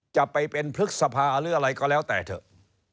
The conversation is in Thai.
จะไปเป็นพฤษภาหรืออะไรก็แล้วแต่เถอะ